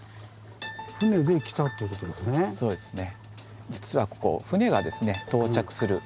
そうですね。